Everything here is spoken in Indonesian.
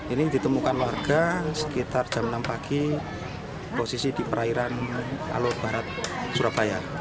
ini ditemukan warga sekitar jam enam pagi posisi di perairan alur barat surabaya